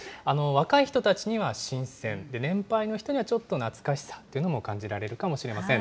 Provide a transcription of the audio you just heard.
若い人たちには新鮮、年配の人にはちょっと懐かしさというものも感じられるかもしれません。